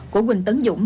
của quỳnh tấn dũng